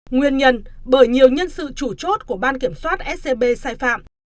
nguyên nhân bởi nhiều nhân sự chủ chốt của ban kiểm soát scb sai phạm